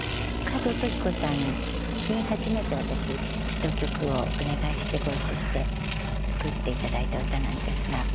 加藤登紀子さんに初めて私詞と曲をお願いしてご一緒して作っていただいた歌なんですが。